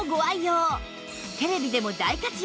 テレビでも大活躍